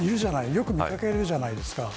よく見掛けるじゃないですか。